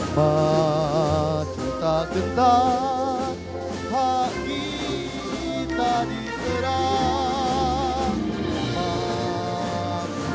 pemenangan peleg dan pilpres dua ribu dua puluh empat